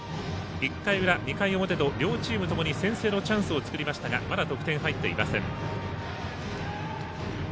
１回の裏、２回の表と両チームともに先制のチャンスを作りましたがまだ得点入っていません。